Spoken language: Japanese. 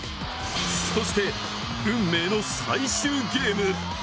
そして、運命の最終ゲーム。